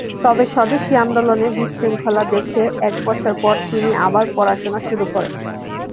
তবে স্বদেশী আন্দোলনে বিশৃঙ্খলা দেখে এক বছর পর তিনি আবার পড়াশোনা শুরু করেন।